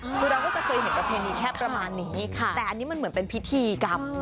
คือเราก็จะเคยเห็นประเพณีแค่ประมาณนี้แต่อันนี้มันเหมือนเป็นพิธีกรรม